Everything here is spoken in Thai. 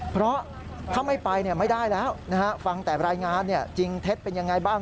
เพราะถ้าไม่ไปไม่ได้แล้วนะฮะ